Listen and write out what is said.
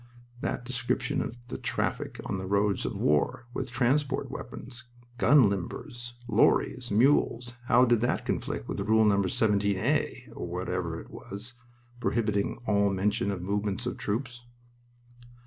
That description of the traffic on the roads of war, with transport wagons, gun limbers, lorries, mules how did that conflict with Rule No. 17a (or whatever it was) prohibiting all mention of movements of troops?